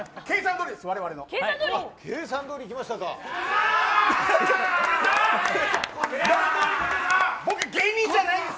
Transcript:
計算どおりです。